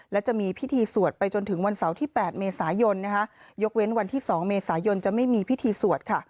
และจะมีพิธีสวดไปจนถึงวันเสาร์ที่๘เมษายนยกเว้นวันที่๒เมษายนจะไม่มีพิธีสวดค่ะ